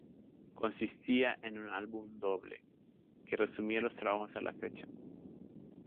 Consistía en un álbum doble, que resumía los trabajos a la fecha.